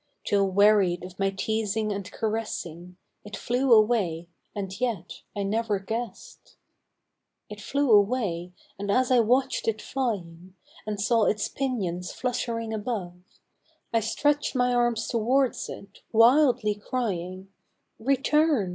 Till wearied of my teasing and caressing, It flew away, and yet I never guess'd — It flew away, and as I watched it flying. And saw its pinions fluttering above, I stretch'd my arms towards it, wildly crying, " Return